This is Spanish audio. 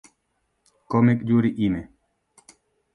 Comic Yuri Hime